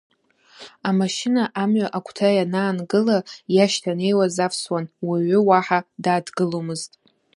Амашьына амҩа агәҭа ианаангыла, иашьҭанеиуаз авсуан, уаҩы уаҳа дааҭгыломызт.